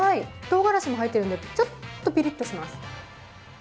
とうがらしも入ってるのでちょっとピリッとします。